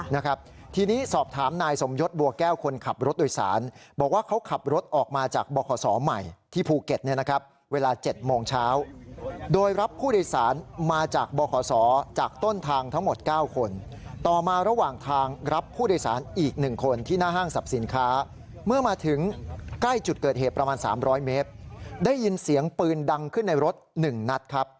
นะครับทีนี้สอบถามนายสมยศบัวแก้วคนขับรถโดยสารบอกว่าเขาขับรถออกมาจากบขศใหม่ที่ภูเก็ตเนี่ยนะครับเวลา๗โมงเช้าโดยรับผู้โดยสารมาจากบขศจากต้นทางทั้งหมด๙คนต่อมาระหว่างทางรับผู้โดยสารอีกหนึ่งคนที่หน้าห้างสรรพสินค้าเมื่อมาถึงใกล้จุดเกิดเหตุประมาณสามร้อยเมตรได้ยินเสียงปืนดังขึ้นในรถ๑นัดครับ